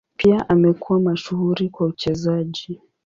Pia amekuwa mashuhuri kwa uchezaji.